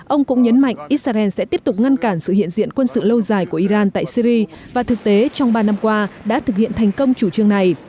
ông cũng nhấn mạnh israel sẽ tiếp tục ngăn cản sự hiện diện quân sự lâu dài của iran tại syri và thực tế trong ba năm qua đã thực hiện thành công chủ trương này